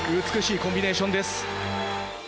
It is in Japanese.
美しいコンビネーションです。